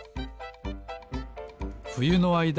ふゆのあいだ